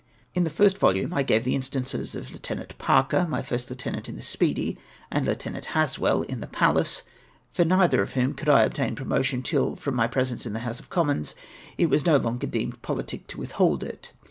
Li the first voliune I gave the instances of Lieut. Parker, my first lieutenant in the Speedy, and Lieut. Haswell in the Pallas *, for neither of whom could I obtain pro motion till, from my presence in the House of Com mons, it was no longer deemed politic to withhold it.